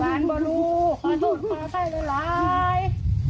ล้านบรูขอโสดคอใจเลยไหล